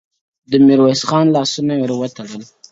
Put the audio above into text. د پاچا يې د جامو كړل صفتونه٫